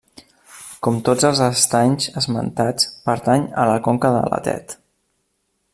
Com tots els estanys esmentats, pertany a la conca de la Tet.